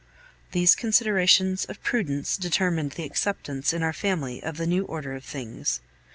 These considerations of prudence determined the acceptance in our family of the new order of things.